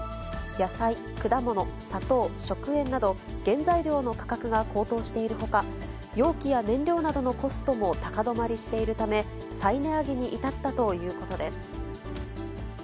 野菜、果物、砂糖、食塩など、原材料の価格が高騰しているほか、容器や燃料などのコストも高止まりしているため、再値上げに至ったということです。